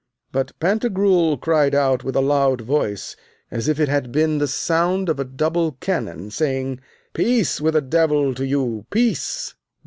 But Pantagruel cried out with a loud voice, as if it had been the sound of a double cannon, saying, Peace, with a devil to you, peace!